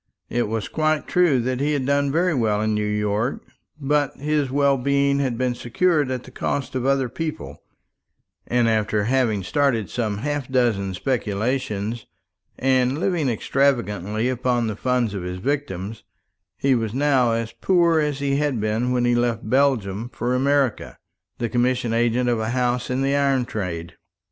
It was quite true that he had done very well in New York; but his well being had been secured at the cost of other people; and after having started some half dozen speculations, and living extravagantly upon the funds of his victims, he was now as poor as he had been when he left Belgium for America, the commission agent of a house in the iron trade.